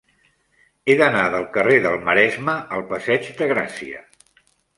He d'anar del carrer del Maresme al passeig de Gràcia.